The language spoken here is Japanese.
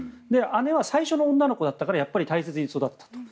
姉は最初の女の子だったからやっぱり大切に育てたと。